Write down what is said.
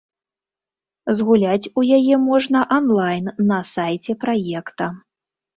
Згуляць у яе можна анлайн на сайце праекта.